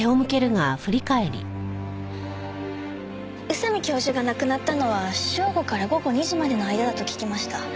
宇佐美教授が亡くなったのは正午から午後２時までの間だと聞きました。